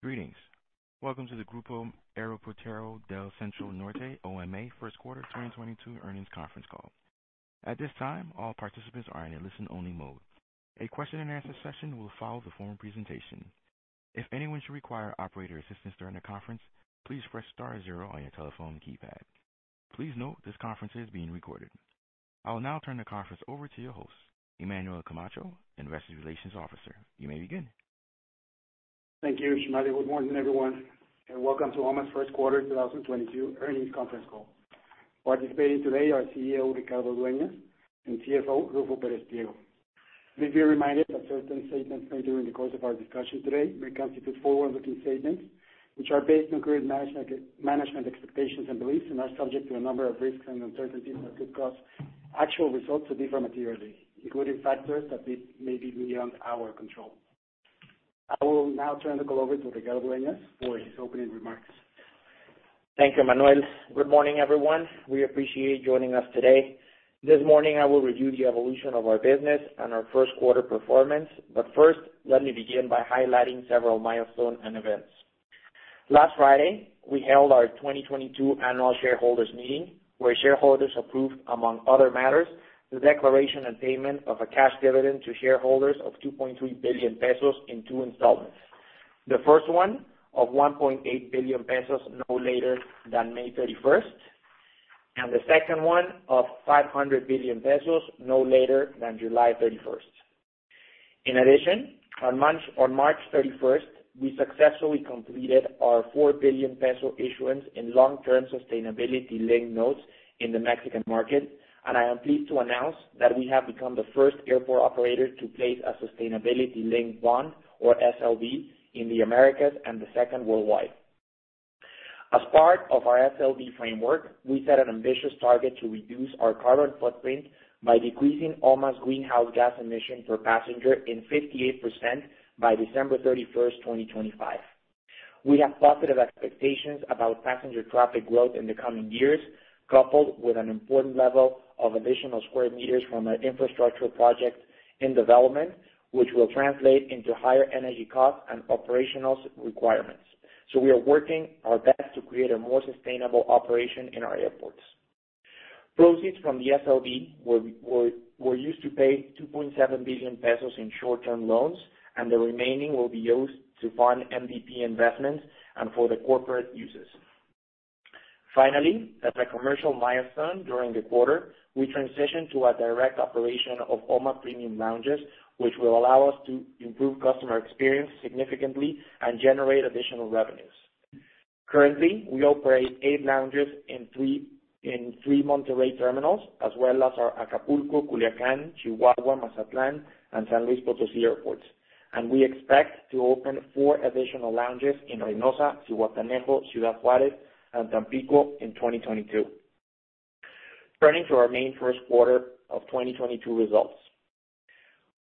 Greetings. Welcome to the Grupo Aeroportuario del Centro Norte, OMA, Q1 2022 earnings conference call. At this time, all participants are in a listen-only mode. A question and answer session will follow the formal presentation. If anyone should require operator assistance during the conference, please press star zero on your telephone keypad. Please note this conference is being recorded. I will now turn the conference over to your host, Emmanuel Camacho, Investor Relations Officer. You may begin. Thank you, Shamali. Good morning, everyone, and welcome to OMA's Q1 of 2022 earnings conference call. Participating today are CEO, Ricardo Dueñas, and CFO, Ruffo Pérez Pliego. Please be reminded that certain statements made during the course of our discussion today may constitute forward-looking statements which are based on current management expectations and beliefs and are subject to a number of risks and uncertainties that could cause actual results to differ materially, including factors that may be beyond our control. I will now turn the call over to Ricardo Dueñas for his opening remarks. Thank you, Emmanuel. Good morning, everyone. We appreciate you joining us today. This morning, I will review the evolution of our business and our Q1 performance. First, let me begin by highlighting several milestones and events. Last Friday, we held our 2022 annual shareholders meeting, where shareholders approved, among other matters, the declaration and payment of a cash dividend to shareholders of 2.3 billion pesos in two installments. The first one of 1.8 billion pesos no later than May 31st, and the 2nd one of 500 million pesos no later than July 31. In addition, on March 31, we successfully completed our 4 billion peso issuance in long-term sustainability-linked notes in the Mexican market, and I am pleased to announce that we have become the first airport operator to place a sustainability-linked bond or SLB in the Americas and the 2nd worldwide. As part of our SLB framework, we set an ambitious target to reduce our carbon footprint by decreasing OMA's greenhouse gas emissions per passenger by 58% by December 31st, 2025. We have positive expectations about passenger traffic growth in the coming years, coupled with an important level of additional square meters from our infrastructure projects in development, which will translate into higher energy costs and operational requirements. We are working our best to create a more sustainable operation in our airports. Proceeds from the SLB were used to pay 2.7 billion pesos in short-term loans, and the remaining will be used to fund MVP investments and for the corporate uses. Finally, as a commercial milestone during the quarter, we transitioned to a direct operation of OMA Premium Lounges, which will allow us to improve customer experience significantly and generate additional revenues. Currently, we operate eight lounges in three Monterrey terminals as well as our Acapulco, Culiacán, Chihuahua, Mazatlán, and San Luis Potosí airports. We expect to open four additional lounges in Reynosa, Zihuatanejo, Ciudad Juárez, and Tampico in 2022. Turning to our main Q1 of 2022 results.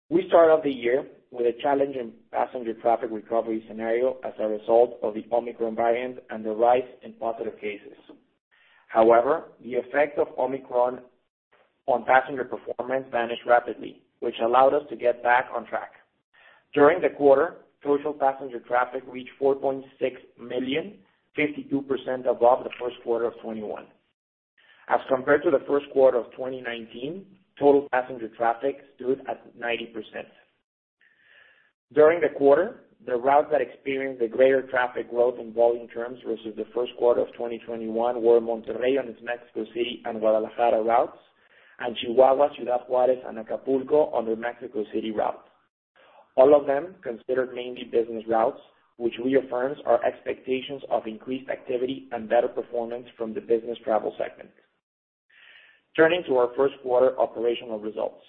We started off the year with a challenging passenger traffic recovery scenario as a result of the Omicron variant and the rise in positive cases. However, the effect of Omicron on passenger performance vanished rapidly, which allowed us to get back on track. During the quarter, total passenger traffic reached 4.6 million, 52% above the first quarter of 2021. As compared to the Q1 of 2019, total passenger traffic stood at 90%. During the quarter, the routes that experienced the greater traffic growth in volume terms versus the Q1 of 2021 were Monterrey on its Mexico City and Guadalajara routes, and Chihuahua, Ciudad Juárez, and Acapulco on the Mexico City route. All of them considered mainly business routes, which reaffirms our expectations of increased activity and better performance from the business travel segment. Turning to our Q1 operational results.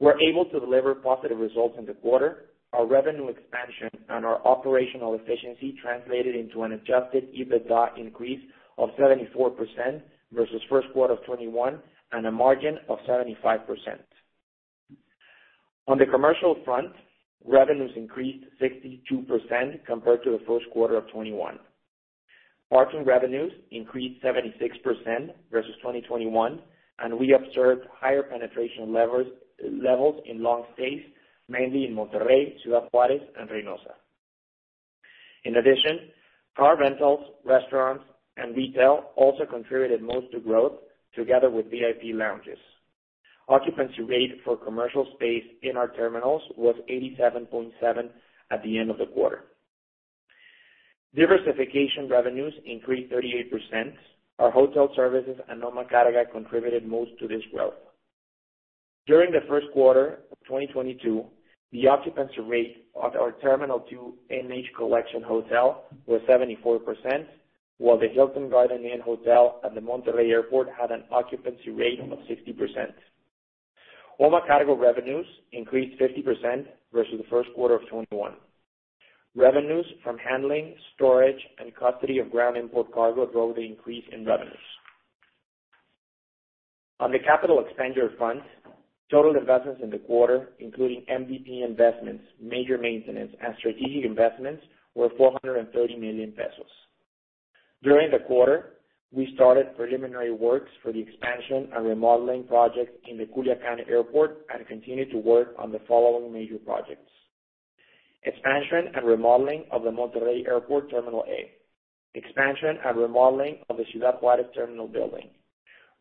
We're able to deliver positive results in the quarter. Our revenue expansion and our operational efficiency translated into an adjusted EBITDA increase of 74% versus Q1 of 2021 and a margin of 75%. On the commercial front, revenues increased 62% compared to the Q1 of 2021. Parking revenues increased 76% versus 2021, and we observed higher penetration levels in long stays, mainly in Monterrey, Ciudad Juárez, and Reynosa. In addition, car rentals, restaurants, and retail also contributed most to growth together with VIP lounges. Occupancy rate for commercial space in our terminals was 87.7% at the end of the quarter. Diversification revenues increased 38%. Our hotel services and OMA Carga contributed most to this growth. During the Q1 of 2022, the occupancy rate of our Terminal 2 NH Collection Hotel was 74%, while the Hilton Garden Inn Monterrey Airport had an occupancy rate of 60%. OMA Carga revenues increased 50% versus the Q1 of 2021. Revenues from handling, storage, and custody of ground import cargo drove the increase in revenues. On the capital expenditure front, total investments in the quarter, including MVP investments, major maintenance, and strategic investments, were 430 million pesos. During the quarter, we started preliminary works for the expansion and remodeling project in the Culiacán Airport and continued to work on the following major projects, expansion and remodeling of the Monterrey Airport Terminal A, expansion and remodeling of the Ciudad Juárez terminal building,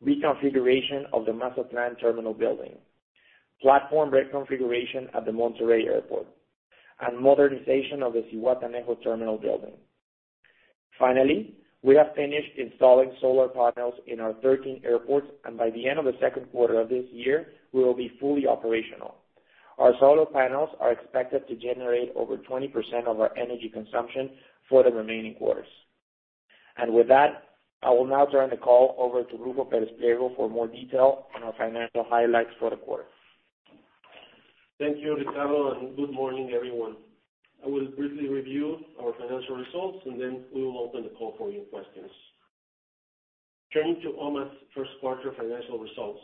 reconfiguration of the Mazatlán terminal building, platform reconfiguration at the Monterrey Airport, and modernization of the Zihuatanejo terminal building. We have finished installing solar panels in our 13 airports, and by the end of the Q2 of this year, we will be fully operational. Our solar panels are expected to generate over 20% of our energy consumption for the remaining quarters. With that, I will now turn the call over to Ruffo Pérez Pliego for more detail on our financial highlights for the quarter. Thank you, Ricardo, and good morning, everyone. I will briefly review our financial results, and then we will open the call for your questions. Turning to OMA's Q1 financial results.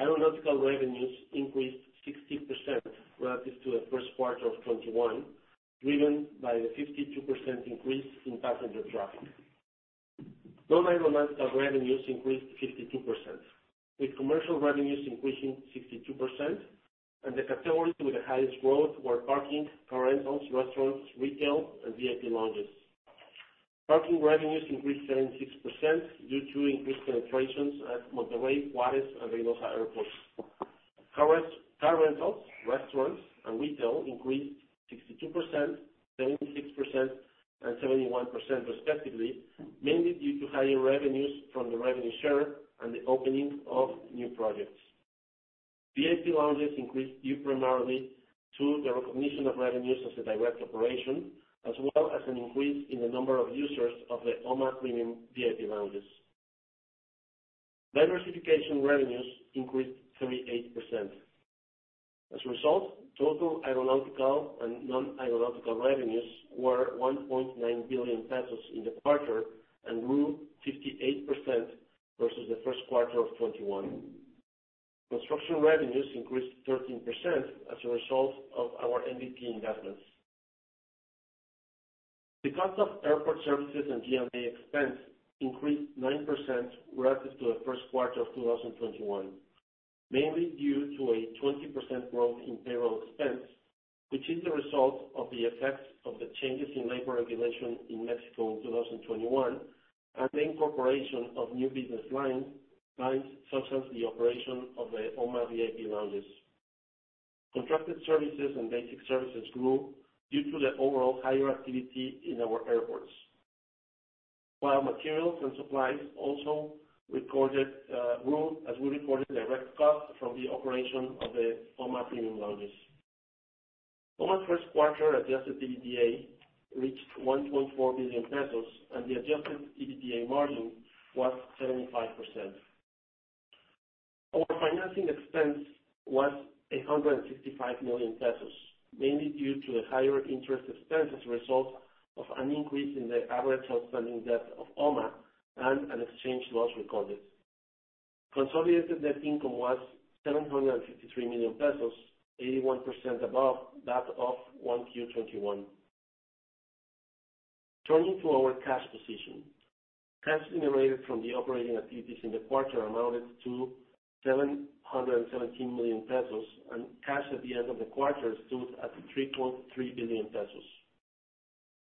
Aeronautical revenues increased 60% relative to the Q1 of 2021, driven by the 52% increase in passenger traffic. Non-aeronautical revenues increased 52%, with commercial revenues increasing 62%, and the category with the highest growth were parking, car rentals, restaurants, retail, and VIP lounges. Parking revenues increased 76% due to increased penetrations at Monterrey, Juárez, and Reynosa airports. Car rentals, restaurants, and retail increased 62%, 76%, and 71% respectively, mainly due to higher revenues from the revenue share and the opening of new projects. VIP lounges increased due primarily to the recognition of revenues as a direct operation, as well as an increase in the number of users of the OMA Premium Lounges. Diversification revenues increased 38%. As a result, total aeronautical and non-aeronautical revenues were 1.9 billion pesos in the quarter and grew 58% versus the Q1 of 2021. Construction revenues increased 13% as a result of our MVP investments. The cost of airport services and G&A expense increased 9% relative to the Q1 of 2021, mainly due to a 20% growth in payroll expense, which is the result of the effects of the changes in labor regulation in Mexico in 2021 and the incorporation of new business lines such as the operation of the OMA Premium Lounges. Contracted services and basic services grew due to the overall higher activity in our airports. While materials and supplies also recorded growth as we recorded direct costs from the operation of the OMA Premium Lounges. OMA's Q1 adjusted EBITDA reached 1.4 billion pesos, and the adjusted EBITDA margin was 75%. Our financing expense was 155 million pesos, mainly due to the higher interest expense as a result of an increase in the average outstanding debt of OMA and an exchange loss recorded. Consolidated net income was 753 million pesos, 81% above that of 1Q 2021. Turning to our cash position. Cash generated from the operating activities in the quarter amounted to 717 million pesos, and cash at the end of the quarter stood at 3.3 billion pesos.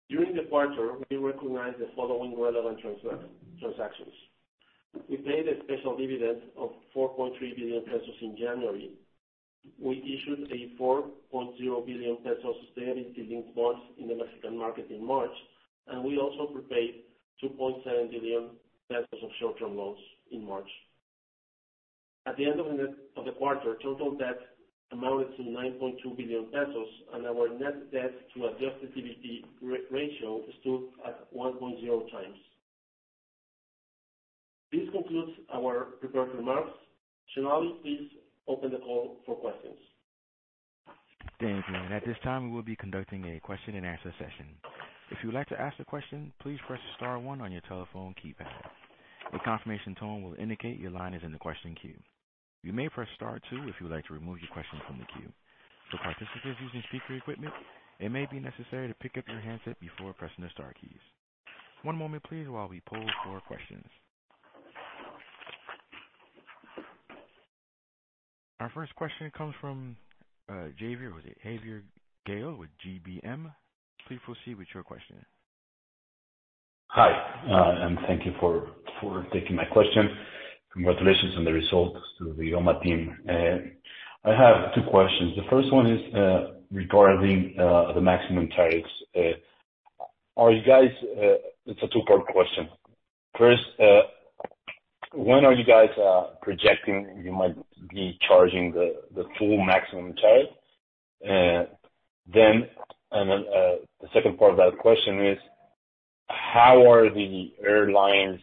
During the quarter, we recognized the following relevant transactions. We paid a special dividend of 4.3 billion pesos in January. We issued 4.0 billion pesos sustainability bonds in the Mexican market in March, and we also prepaid 2.7 billion pesos of short-term loans in March. At the end of the quarter, total debt amounted to 9.2 billion pesos, and our net debt to adjusted EBITDA ratio stood at 1.0 times. This concludes our prepared remarks. We shall now please open the call for questions. Thank you. At this time, we will be conducting a question-and-answer session. If you would like to ask a question, please press star 1 on your telephone keypad. A confirmation tone will indicate your line is in the question queue. You may press star 2 if you would like to remove your question from the queue. For participants using speaker equipment, it may be necessary to pick up your handset before pressing the star keys. One moment please, while we poll for questions. Our first question comes from Javier Gayol with GBM. Please proceed with your question. Hi, thank you for taking my question. Congratulations on the results to the OMA team. I have two questions. The first one is regarding the maximum tariffs. It's 2-part question. 1st, when are you guys projecting you might be charging the full maximum tariff? Then, the 2nd part of that question is how are the airlines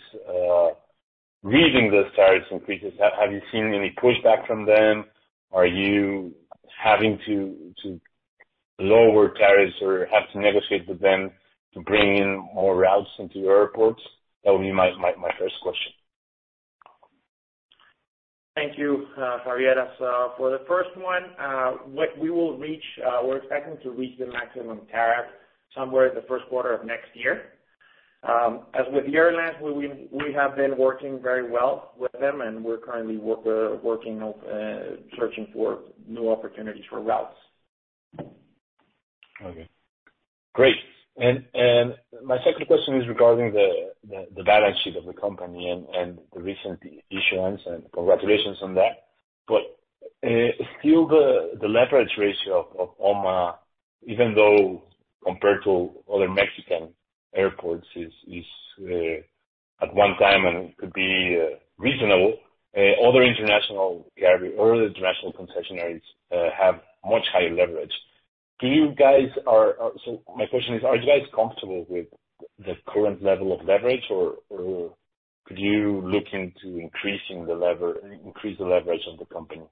reading those tariff increases? Have you seen any pushback from them? Are you having to lower tariffs or have to negotiate with them to bring in more routes into your airports? That would be my first question. Thank you, Javier. For the first one, we're expecting to reach the maximum tariff somewhere in the Q1 of next year. As with airlines, we have been working very well with them, and we're currently working on searching for new opportunities for routes. Okay. Great. My 2nd question is regarding the balance sheet of the company and the recent issuance, and congratulations on that. Still, the leverage ratio of OMA, even though compared to other Mexican airports is at 1x, and it could be reasonable. Other international concessionaires have much higher leverage. My question is, are you guys comfortable with the current level of leverage, or could you look into increasing the leverage of the company?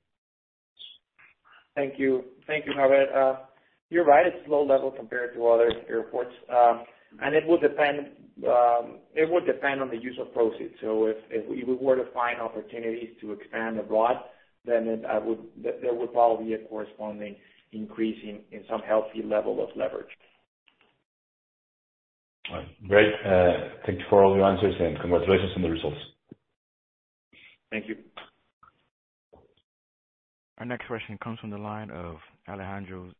Thank you. Thank you, Javier. You're right. It's low level compared to other airports. It would depend on the use of proceeds. If we were to find opportunities to expand abroad, then there would probably be a corresponding increase in some healthy level of leverage. All right. Great. Thank you for all your answers, and congratulations on the results. Thank you. Our next question comes from the line of Alejandro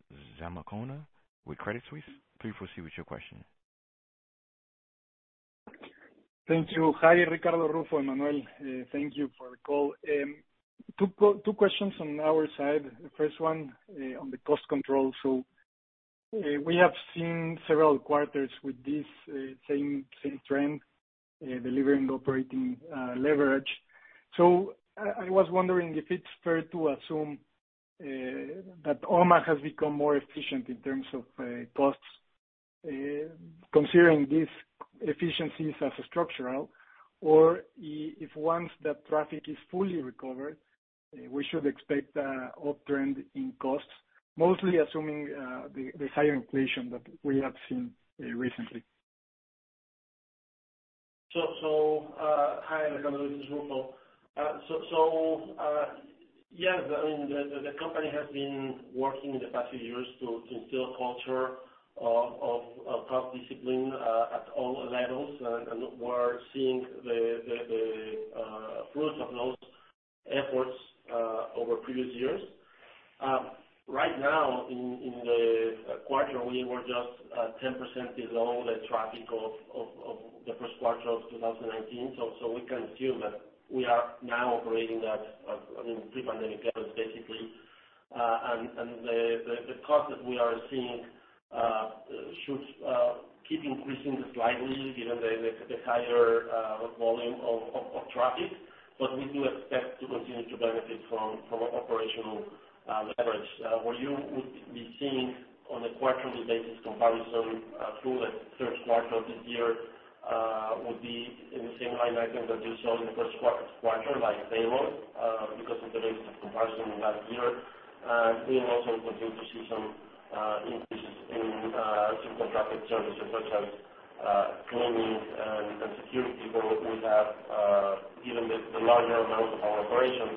Zamacona with Credit Suisse. Please proceed with your question. Thank you. Hi, Ricardo, Rufo, Emmanuel. Thank you for the call. 2 questions on our side. The first one, on the cost control. We have seen several quarters with this same trend, delivering operating leverage. I was wondering if it's fair to assume that OMA has become more efficient in terms of costs, considering these efficiencies as structural, or if once the traffic is fully recovered, we should expect an uptrend in costs, mostly assuming the higher inflation that we have seen recently. Hi, Alejandro. This is Rufo. Yes, I mean, the company has been working in the past few years to instill culture of cost discipline at all levels. We're seeing the fruits of those efforts over previous years. Right now, in the quarter, we were just 10% below the traffic of the Q1 of 2019. We can assume that we are now operating at, I mean, pre-pandemic levels, basically. The cost that we are seeing should keep increasing slightly given the higher volume of traffic. We do expect to continue to benefit from operational leverage. What you would be seeing on a quarter-to-date comparison through the Q3 of this year would be in the same line items that you saw in the Q1, like payroll, because of the base of comparison last year. We will also continue to see some increases in subcontracted services such as cleaning and security, where we have, given the larger amount of our operation,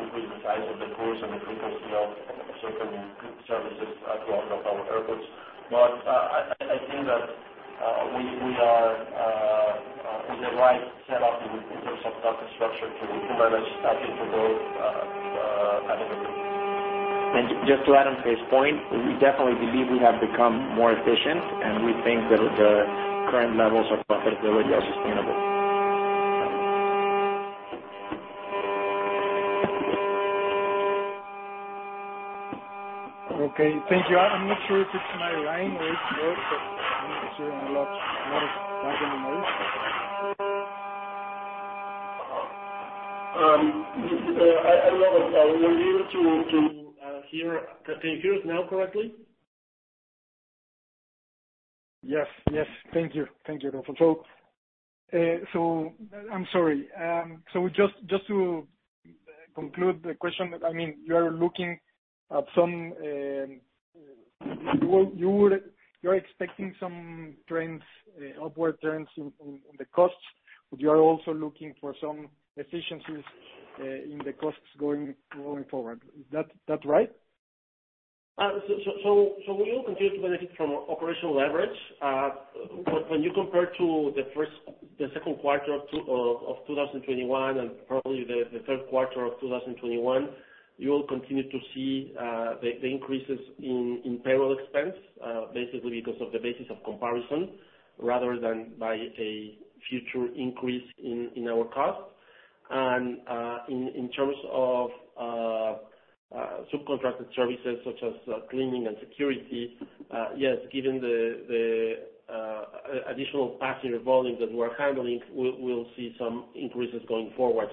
increased the size of the crews and the frequency of certain services across our airports. I think that we are in the right setup in terms of cost structure to manage that interval adequately. Just to add on to his point, we definitely believe we have become more efficient, and we think that the current levels of profitability are sustainable. Okay. Thank you. I'm not sure if it's my line or if it's Rufo. I'm just hearing a lot of background noise. I don't know. We're able to hear the figures now correctly? Yes. Thank you, Rufo. I'm sorry. Just to conclude the question, I mean, you are looking at some, you're expecting some trends, upward trends in the costs, but you are also looking for some efficiencies in the costs going forward. Is that right? We will continue to benefit from operational leverage. When you compare to the Q2 of 2021 and probably the Q3 of 2021, you will continue to see the increases in payroll expense basically because of the basis of comparison rather than by a future increase in our costs. In terms of subcontracted services such as cleaning and security, yes, given the additional passenger volume that we're handling, we'll see some increases going forward.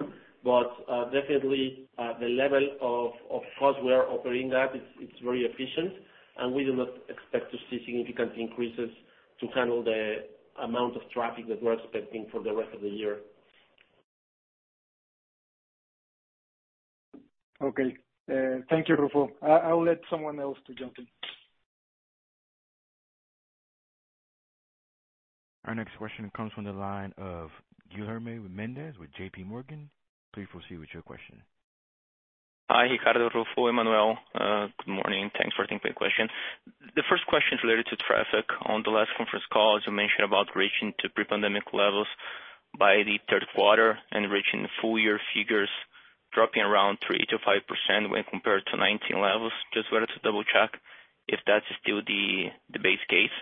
Definitely the level of cost we are operating at, it's very efficient, and we do not expect to see significant increases to handle the amount of traffic that we're expecting for the rest of the year. Okay. Thank you, Rufo. I will let someone else to jump in. Our next question comes from the line of Guilherme Mendes with J.P. Morgan. Please proceed with your question. Hi, Ricardo Dueñas, Ruffo Pérez Pliego, Emmanuel Camacho. Good morning. Thanks for taking the question. The 1st question is related to traffic. On the last conference call, as you mentioned about reaching to pre-pandemic levels by the Q3 and reaching full year figures dropping around 3% to 5% when compared to 2019 levels. Just wanted to double check if that's still the base case.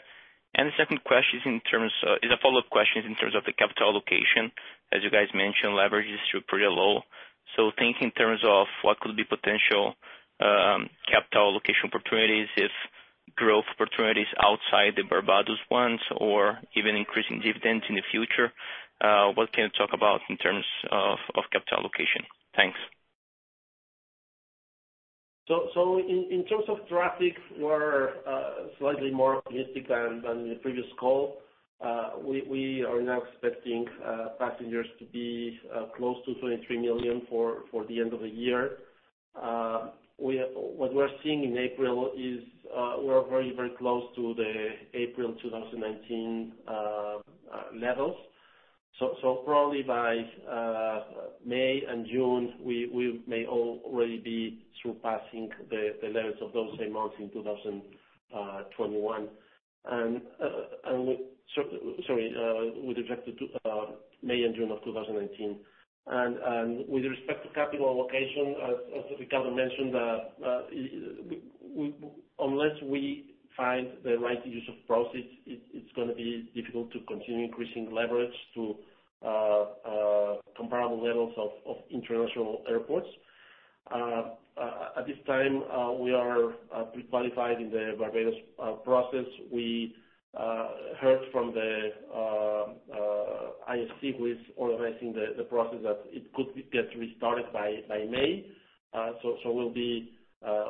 The 2nd question is a follow-up question in terms of the capital allocation. As you guys mentioned, leverage is still pretty low. Think in terms of what could be potential capital allocation opportunities if growth opportunities beyond OMA's or even increasing dividends in the future, what can you talk about in terms of capital allocation? Thanks. In terms of traffic, we're slightly more optimistic than the previous call. We are now expecting passengers to be close to 23 million for the end of the year. What we're seeing in April is we're very close to the April 2019 levels. Probably by May and June, we may already be surpassing the levels of those same months in 2019. With respect to capital allocation, as Ricardo mentioned, unless we find the right use of proceeds, it's going to be difficult to continue increasing leverage to comparable levels of international airports. At this time, we are pre-qualified in the Barbados process. We heard from the IFC who is organizing the process that it could get restarted by May. We'll be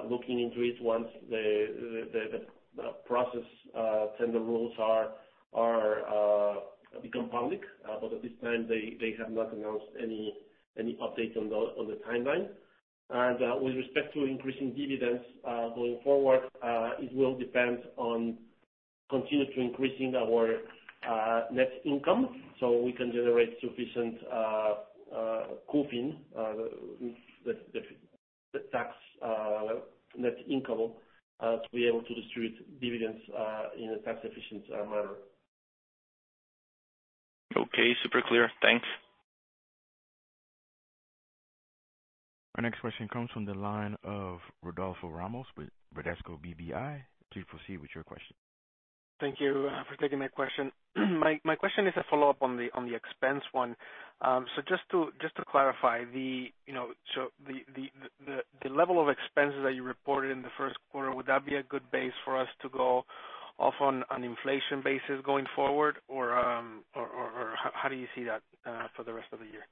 looking into it once the process tender rules become public. At this time, they have not announced any update on the timeline. With respect to increasing dividends going forward, it will depend on continuing to increase our net income, so we can generate sufficient covering the effective tax net income to be able to distribute dividends in a tax efficient manner. Okay, super clear. Thanks. Our next question comes from the line of Rodolfo Ramos with Bradesco BBI. Please proceed with your question. Thank you for taking my question. My question is a follow-up on the expense one. Just to clarify, you know, so the level of expenses that you reported in the Q1, would that be a good base for us to go off on an inflation basis going forward? Or, how do you see that for the rest of the year?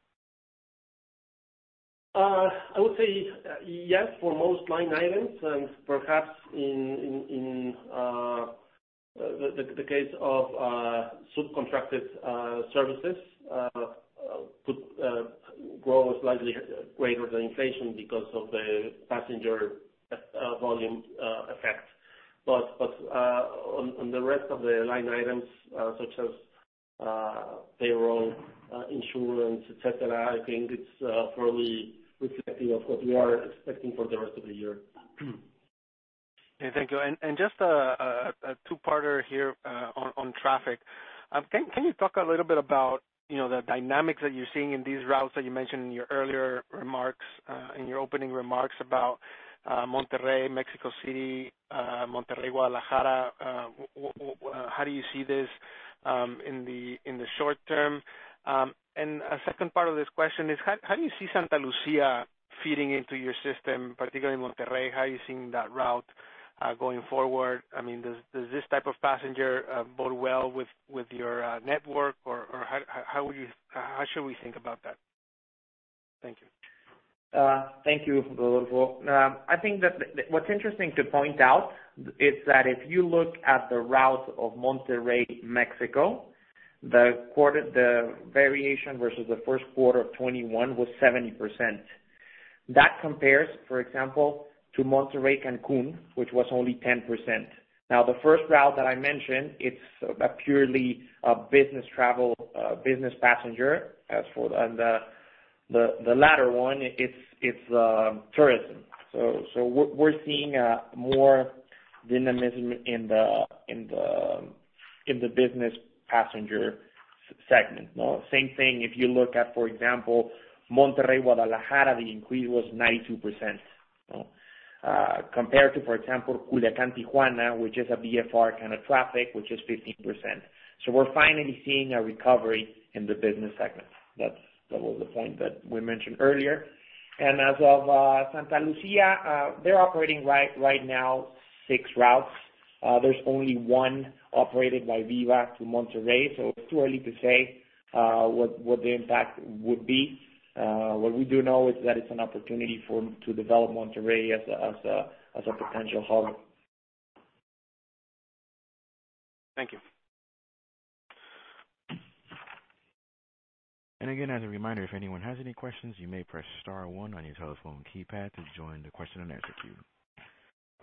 I would say yes for most line items, and perhaps in the case of subcontracted services could grow slightly greater than inflation because of the passenger volume effect. On the rest of the line items such as payroll, insurance, et cetera, I think it's probably reflective of what we are expecting for the rest of the year. Okay, thank you. Just a 2-parter here on traffic. Can you talk a little bit about, you know, the dynamics that you're seeing in these routes that you mentioned in your earlier remarks in your opening remarks about Monterrey, Mexico City, Monterrey, Guadalajara? How do you see this in the short term? A 2nd part of this question is, how do you see Santa Lucía fitting into your system, particularly Monterrey? How are you seeing that route going forward? I mean, does this type of passenger bode well with your network? Or how should we think about that? Thank you. Thank you, Rodolfo. I think that what's interesting to point out is that if you look at the route of Monterrey, Mexico, the variation versus the Q1 of 2021 was 70%. That compares, for example, to Monterrey, Cancún, which was only 10%. Now, the first route that I mentioned, it's a purely a business travel, business passenger. The latter one, it's tourism. We're seeing more dynamism in the business passenger segment. Same thing if you look at, for example, Monterrey, Guadalajara, the increase was 92%, compared to, for example, Culiacán, Tijuana, which is a VFR kind of traffic, which is 15%. We're finally seeing a recovery in the business segment. That's the whole point that we mentioned earlier. As of Santa Lucía, they're operating right now six routes. There's only one operated by Viva to Monterrey, so it's too early to say what the impact would be. What we do know is that it's an opportunity to develop Monterrey as a potential hub. Thank you. Again, as a reminder, if anyone has any questions, you may press star 1 on your telephone keypad to join the question and answer queue.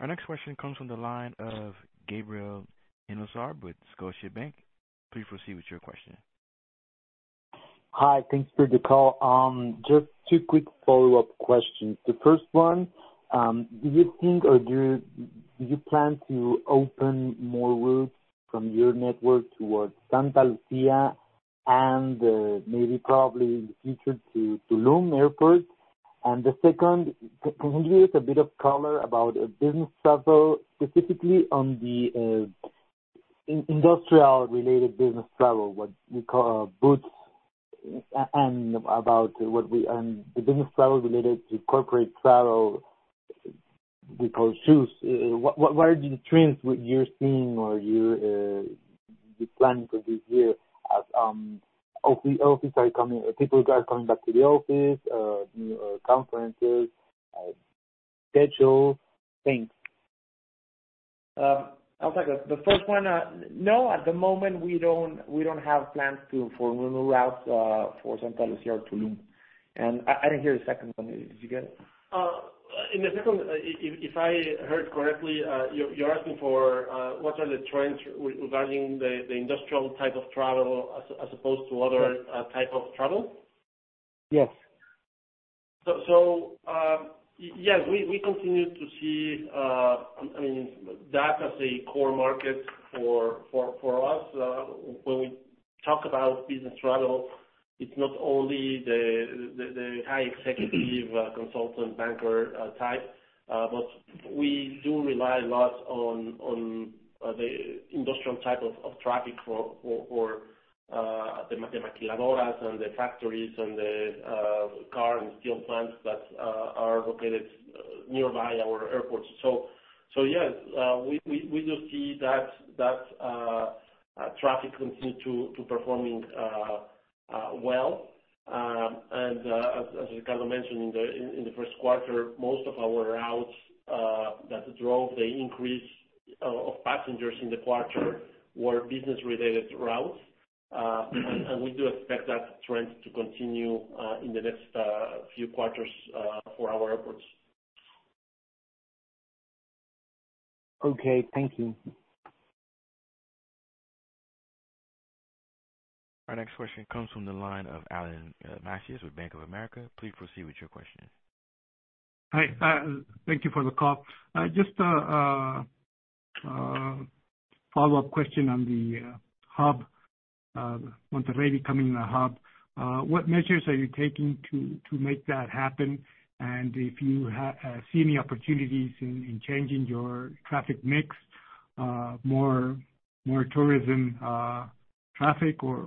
Our next question comes from the line of Gabriel Inostroza with Scotiabank. Please proceed with your question. Hi. Thanks for the call. Just two quick follow-up questions. The 1st one, do you think or do you plan to open more routes from your network towards Santa Lucia and maybe probably in the future to Tulum Airport? The 2nd, can you give a bit of color about business travel, specifically on the industrial related business travel, what we call boots, and about what we the business travel related to corporate travel we call shoes. What are the trends what you're seeing or you're planning for this year as offices are coming. People are coming back to the office, new conferences schedule things. I'll take that. The first one, no, at the moment we don't have plans to for new routes for Santa Lucia or Tulum. I didn't hear the 2nd one. Did you get it? In the 2nd, if I heard correctly, you're asking for what are the trends regarding the industrial type of travel as opposed to other. Yes. type of travel? Yes. Yes, we continue to see, I mean, that as a core market for us. When we talk about business travel, it's not only the high executive consultant banker type, but we do rely a lot on the industrial type of traffic for the maquiladoras and the factories and the car and steel plants that are located nearby our airports. Yes, we do see that traffic continue to performing well. As Ricardo mentioned in the Q1, most of our routes that drove the increase of passengers in the quarter were business-related routes. We do expect that trend to continue in the next few quarters for our airports. Okay. Thank you. Our next question comes from the line of Alan Macías with Bank of America. Please proceed with your question. Hi. Thank you for the call. Just a follow-up question on the hub, Monterrey becoming a hub. What measures are you taking to make that happen? If you see any opportunities in changing your traffic mix, more tourism traffic or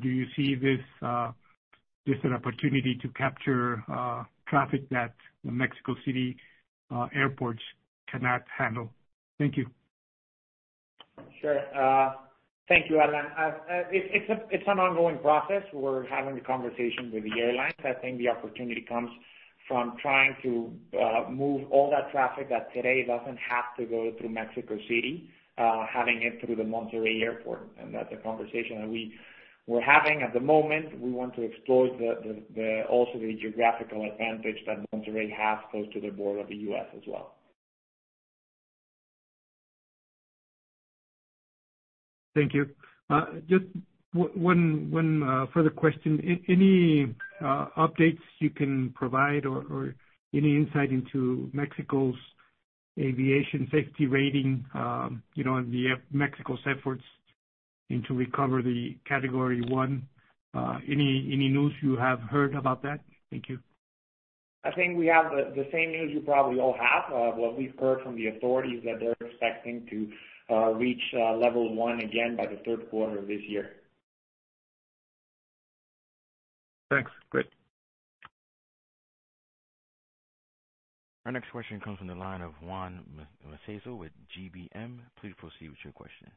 do you see this as an opportunity to capture traffic that Mexico City airports cannot handle? Thank you. Sure. Thank you, Alan. It's an ongoing process. We're having conversations with the airlines. I think the opportunity comes from trying to move all that traffic that today doesn't have to go through Mexico City, having it through the Monterrey airport, and that's a conversation that we were having at the moment. We want to explore also the geographical advantage that Monterrey has close to the border of the U.S. as well. Thank you. Just one further question. Any updates you can provide or any insight into Mexico's aviation safety rating, and Mexico's efforts to recover the category one. Any news you have heard about that? Thank you. I think we have the same news you probably all have. What we've heard from the authorities that they're expecting to reach level one again by the Q3 of this year. Thanks. Great. Our next question comes from the line of Juan Macedo with GBM. Please proceed with your question.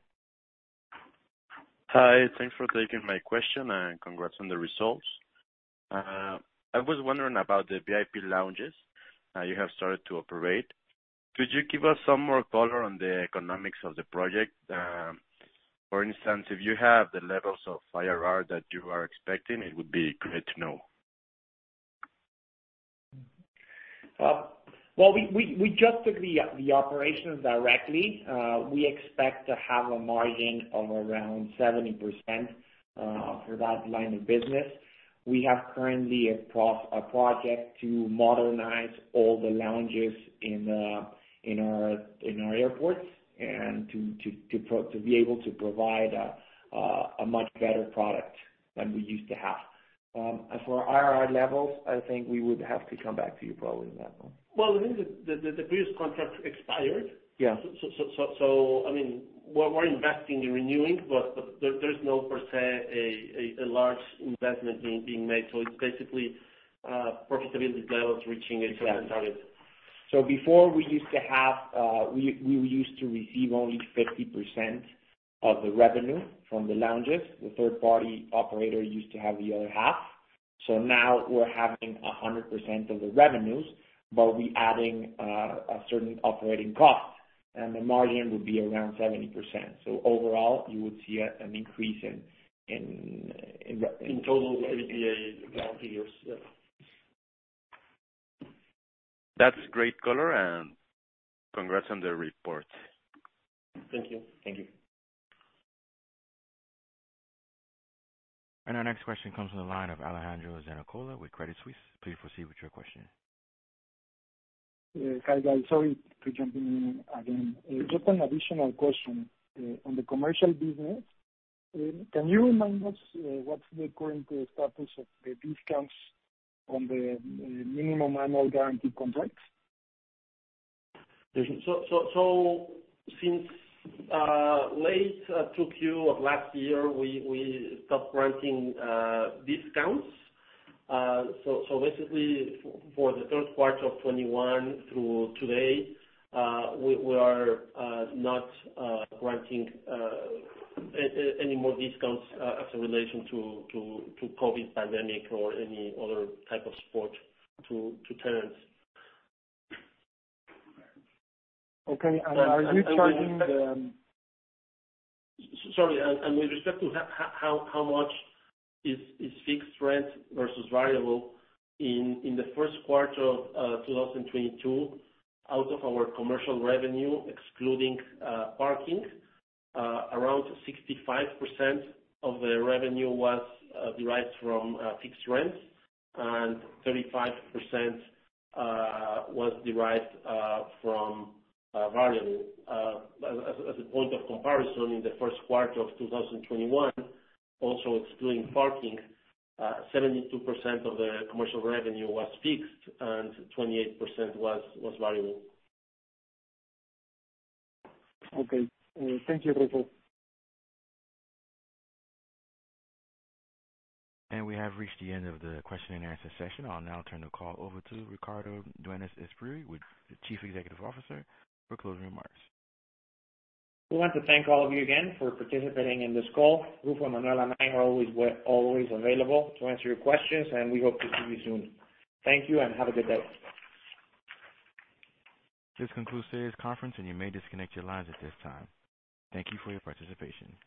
Hi. Thanks for taking my question, and congrats on the results. I was wondering about the VIP lounges you have started to operate. Could you give us some more colour on the economics of the project? For instance, if you have the levels of IRR that you are expecting, it would be great to know. Well, we just took the operations directly. We expect to have a margin of around 70% for that line of business. We have currently a project to modernize all the lounges in our airports and to be able to provide a much better product than we used to have. As for IRR levels, I think we would have to come back to you probably on that one. Well, I think the previous contract expired. Yeah. I mean, we're investing in renewing, but there's no per se a large investment being made. It's basically profitability levels reaching a certain target. Exactly. Before we used to have, we used to receive only 50% of the revenue from the lounges. The third party operator used to have the other half. Now we're having 100% of the revenues, but we're adding a certain operating cost, and the margin will be around 70%. Overall you would see an increase in revenue. Yeah. That's great color and congrats on the report. Thank you. Thank you. Our next question comes from the line of Alejandro Zamacona with Credit Suisse. Please proceed with your question. Hi, guys. Sorry for jumping in again. Just an additional question. On the commercial business, can you remind us what's the current status of the discounts on the minimum annual guarantee contracts? Since late 2Q of last year, we stopped granting discounts. Basically for the Q3 of 2021 through today, we are not granting any more discounts in relation to the COVID pandemic or any other type of support to tenants. Okay. Are you charging the? Sorry. With respect to how much is fixed rent versus variable, in the Q1 of 2022, out of our commercial revenue, excluding parking, around 65% of the revenue was derived from fixed rents and 35% was derived from variable. As a point of comparison, in the Q1 of 2021, also excluding parking, 72% of the commercial revenue was fixed and 28% was variable. Okay. Thank you, Rufo. We have reached the end of the question and answer session. I'll now turn the call over to Ricardo Dueñas Espriu, Chief Executive Officer for closing remarks. We want to thank all of you again for participating in this call. Ruffo Pérez Pliego, Emmanuel Camacho, and I are always available to answer your questions, and we hope to see you soon. Thank you, and have a good day. This concludes today's conference, and you may disconnect your lines at this time. Thank you for your participation.